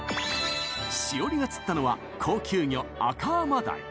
詩織が釣ったのは高級魚アカアマダイ。